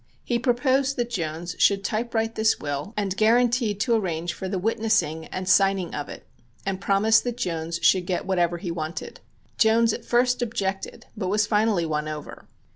He proposed that Jones should typewrite this will, and guaranteed to arrange for the witnessing and signing of it, and promised that Jones should get whatever he wanted. Jones at first objected, but was finally won over.